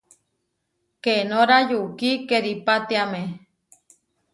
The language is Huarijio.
Keenorá yukí keripátiame.